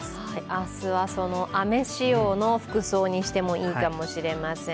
明日は雨仕様の服装にしてもいいかもしれません。